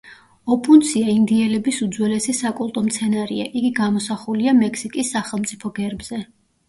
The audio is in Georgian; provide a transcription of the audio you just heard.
ოპუნცია ინდიელების უძველესი საკულტო მცენარეა; იგი გამოსახულია მექსიკის სახელმწიფო გერბზე.